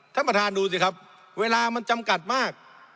ท่านประธานดูสิครับเวลามันจำกัดมาก